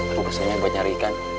aku kesannya buat nyari ikan